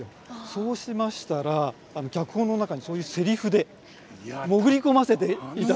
そうしましたら脚本の中にそういうセリフで潜り込ませていただいてですね。